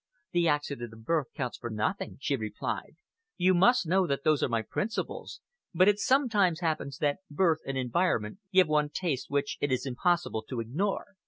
"The accident of birth counts for nothing," she replied, "you must know that those are my principles but it sometimes happens that birth and environment give one tastes which it is impossible to ignore.